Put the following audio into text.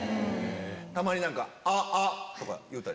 たまにあっあっ！とか言うたり。